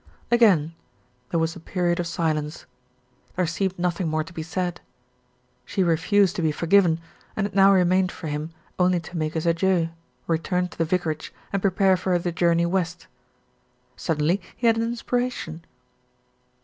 Again there was a period of silence. There seemed nothing more to be said. She refused to be forgiven, and it now remained for him only to make his adieux, return to the vicarage and prepare for the journey west. Suddenly he had an inspiration.